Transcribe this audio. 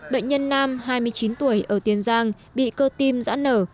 bệnh nhân nam hai mươi chín tuổi ở tiền giang bị cơ tim giãn nở